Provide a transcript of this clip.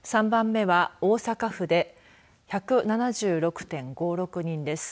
３番目は大阪府で１７６．５６